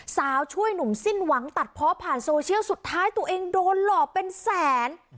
ช่วยหนุ่มสิ้นหวังตัดเพาะผ่านโซเชียลสุดท้ายตัวเองโดนหลอกเป็นแสน